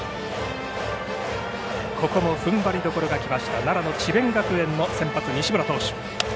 ここもふんばりどころがきました、奈良の智弁学園の先発西村投手。